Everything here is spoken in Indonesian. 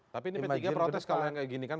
tapi ini petiga protes kalau yang kayak gini kan